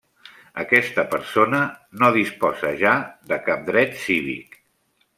Aquesta persona no disposa ja de cap dret cívic.